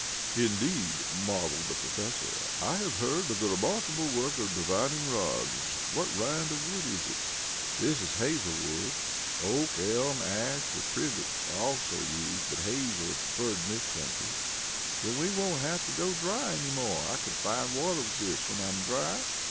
"Indeed," marveled the Professor. "I have heard of the remarkable work of divining rods. What Rind of wood is it?" "This is hazel wood. Oak, elm, ash or privet also are used, but hazel is preferred in this country." "Then then we won't have to go dry any more I can find water with this when I'm dry?"